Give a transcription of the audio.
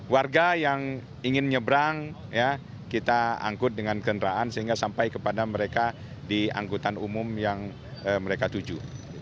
warga yang ingin nyebrang kita angkut dengan kendaraan sehingga sampai kepada mereka di angkutan umum yang mereka tuju